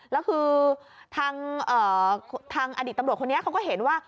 แล้วคือทางอดีตตำรวจคนนี้เขาก็เห็นว่า